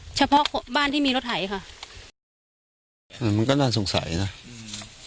เฉพาะบ้านที่มีรถไถค่ะอ่ามันก็น่าสงสัยนะอืม